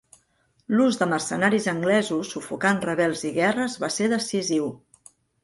L'ús de mercenaris anglesos sufocant rebels i guerres va ser decisiu.